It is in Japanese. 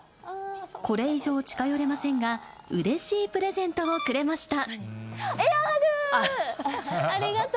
これ以上、近寄れませんが、うれしいプレゼントをくれました。